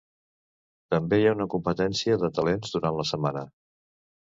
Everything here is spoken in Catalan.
També hi ha una competència de talents durant la setmana.